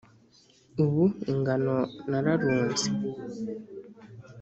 Ubu ingano nararunze